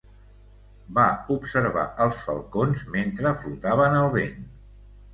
Va observar els falcons mentre flotaven al vent.